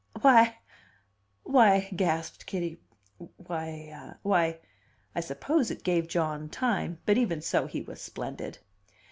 "Why why " gasped Kitty, "why why " I suppose it gave John time; but even so he was splendid.